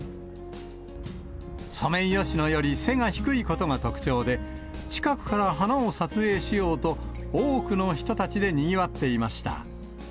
ソメイヨシノより背が低いことが特徴で、近くから花を撮影しようと、多くの人たちでにぎわっていました。